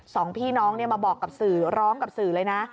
สองพี่น้องมาบอกกับสื่อร้องกับสื่อเลยนะ